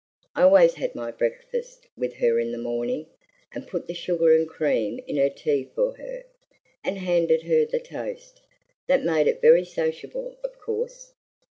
I always had my breakfast with her in the morning, and put the sugar and cream in her tea for her, and handed her the toast. That made it very sociable, of course."